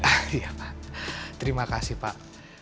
iya terima kasih pak